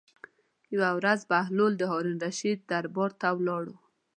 یوه ورځ بهلول د هارون الرشید دربار ته ولاړ.